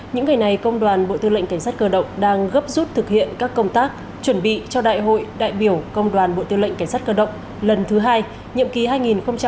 những ngày này công đoàn bộ tư lệnh cảnh sát cơ động đang gấp rút thực hiện các công tác chuẩn bị cho đại hội đại biểu công đoàn bộ tư lệnh cảnh sát cơ động lần thứ hai nhiệm ký hai nghìn hai mươi hai nghìn hai mươi tám